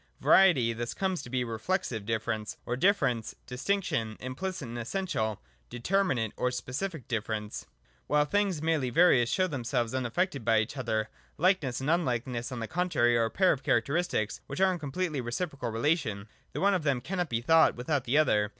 Variety thus comes to be reflexive difference, or difference (distinction) implicit and essential, determinate or specific difference. While things merely various show themselves unaffected by each other, likeness and unlikeness on the contrary are a pair of characteristics which are in completely reciprocal relation. The one of them cannot be thought without the other.